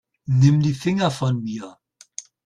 Nimm die Finger von mir.